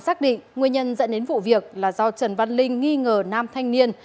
xác định nguyên nhân dẫn đến vụ việc là do trần văn linh nghi ngờ nam thanh niên